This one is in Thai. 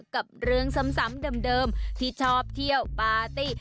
กับเรื่องซ้ำเดิมที่ชอบเที่ยวปาร์ตี้